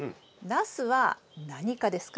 ナスは何科ですか？